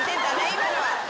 今のは。